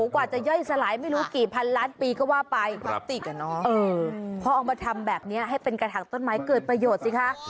กว่าจะย่อยสลายไม่รู้กี่พันล้านปีก็ว่าไปพลาสติกพอเอามาทำแบบนี้ให้เป็นกระถางต้นไม้เกิดประโยชน์สิคะ